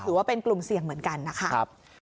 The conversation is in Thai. ถือว่าเป็นกลุ่มเสี่ยงเหมือนกันนะคะ